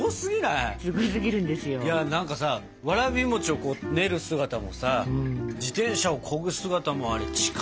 いや何かさわらび餅をこう練る姿もさ自転車をこぐ姿もあれ力強かったですよ。